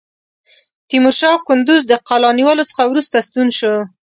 تیمورشاه کندوز د قلا نیولو څخه وروسته ستون شو.